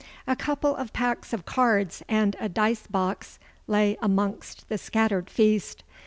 A couple of packs of cards and a dice box lay amongst the scattered feast.